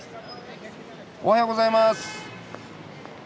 おはようございます。